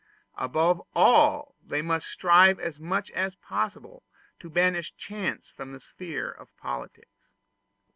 Above all they must strive as much as possible to banish chance from the sphere of politics.